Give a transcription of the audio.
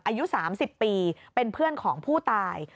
อายุ๓๐ปีเป็นเพื่อนของผู้ตาย